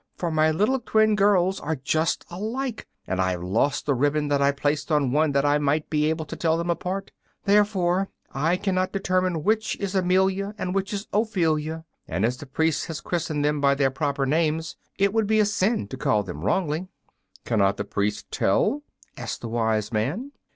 For my little twin girls are just alike, and I have lost the ribbon that I placed on one that I might be able to tell them apart. Therefore I cannot determine which is Amelia and which is Ophelia, and as the priest has christened them by their proper names it would be a sin to call them wrongly." [Illustration: Three Wise Men of Gotham] "Cannot the priest tell?" asked the wise man.